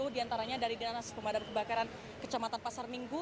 sepuluh diantaranya dari dinas pemadam kebakaran kecamatan pasar minggu